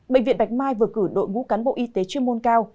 bệnh viện bạch mai vừa cử đội ngũ cán bộ y tế chuyên môn cao